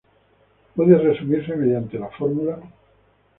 Puede resumirse mediante la fórmula.